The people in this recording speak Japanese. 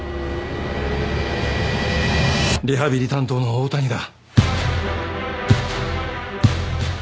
リハビリ担当の大谷だ。